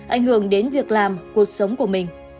ảnh hưởng đến việc làm cuộc sống của mình